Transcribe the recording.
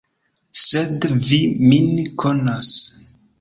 Sed vi min konas.